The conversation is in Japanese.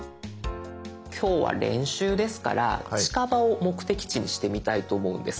今日は練習ですから近場を目的地にしてみたいと思うんです。